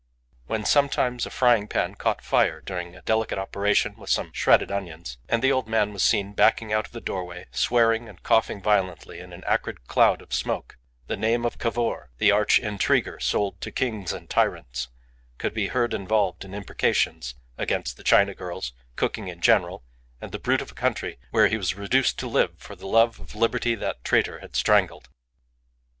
When sometimes a frying pan caught fire during a delicate operation with some shredded onions, and the old man was seen backing out of the doorway, swearing and coughing violently in an acrid cloud of smoke, the name of Cavour the arch intriguer sold to kings and tyrants could be heard involved in imprecations against the China girls, cooking in general, and the brute of a country where he was reduced to live for the love of liberty that traitor had strangled.